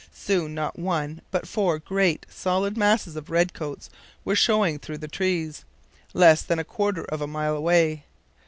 Soon not one but four great, solid masses of redcoats were showing through the trees, less than a quarter of a mile away.